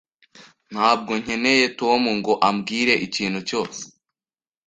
Ntabwo nkeneye Tom ngo ambwire ikintu cyose.